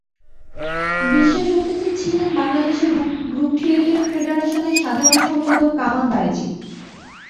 বিশেষ অতিথি ছিলেন বাংলাদেশ গ্রুপ থিয়েটার ফেডারেশানের সাধারণ সম্পাদক কামাল বায়েজীদ।